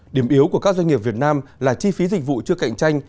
điểm yếu của các doanh nghiệp việt nam là chi phí dịch vụ chưa cạnh tranh